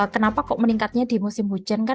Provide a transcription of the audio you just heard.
kenapa kok meningkatnya di musim hujan kan